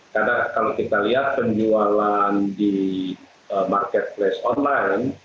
karena kalau kita lihat penjualan di marketplace online